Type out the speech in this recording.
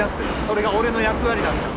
それが俺の役割だった